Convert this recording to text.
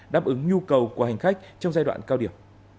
đáp ứng nhu cầu của hành khách trong giai đoạn cao điểm